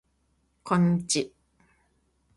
こんにち